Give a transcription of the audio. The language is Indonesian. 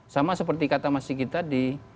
sama seperti kata mas sigi tadi